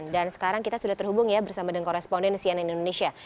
dan sekarang kita sudah terhubung ya bersama dengan koresponden sian indonesia